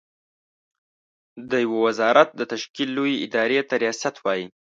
د يوه وزارت د تشکيل لويې ادارې ته ریاست وايې.